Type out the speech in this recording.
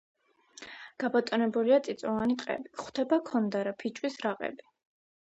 გაბატონებულია წიწვოვანი ტყეები, გვხვდება ქონდარა ფიჭვის რაყები.